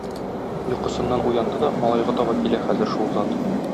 Йокысыннан уянды да малайга таба килә хәзер шул зат.